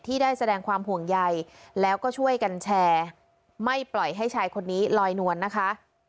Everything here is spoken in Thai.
ได้แสดงความห่วงใยแล้วก็ช่วยกันแชร์ไม่ปล่อยให้ชายคนนี้ลอยนวลนะคะ